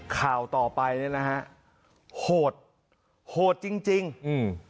ข่าวต่อไปเนี้ยนะฮะโหดโหดจริงจริงอืม